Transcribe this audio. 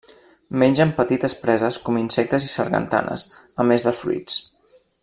Mengen petites preses com insectes i sargantanes, a més de fruits.